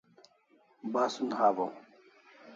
Basun hawaw